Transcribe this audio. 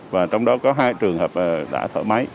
và trong đó có hai trường hợp đã thở máy